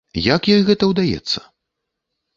Як ёй гэта ўдаецца?